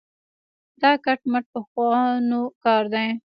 دا کټ مټ پخوانو کار دی.